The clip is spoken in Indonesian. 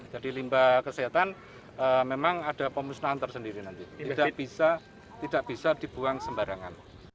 jadi limba kesehatan memang ada pemusnahan tersendiri nanti tidak bisa dibuang sembarangan